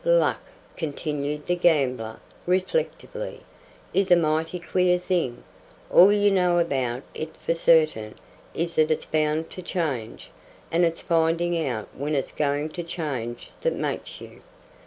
Luck," continued the gambler, reflectively, "is a mighty queer thing. All you know about it for certain is that it's bound to change. And it's finding out when it's going to change that makes you.